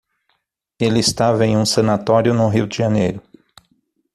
Ele estava em um sanatório no Rio de Janeiro.